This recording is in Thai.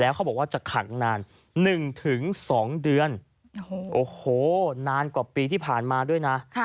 แล้วเขาบอกว่าจะหันร้านหนึ่งถึงสองเดือนโอโหนานกว่าปีที่ผ่านมาด้วยนะ